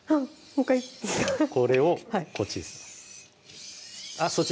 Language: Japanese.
もう１回これをこっちですあっ